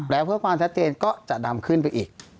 แล้วเพื่อความชัดเจนก็จะดำขึ้นไปอีก